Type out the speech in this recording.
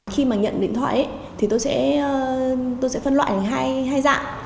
khi mà nhận điện thoại thì tôi sẽ phân loại hai dạng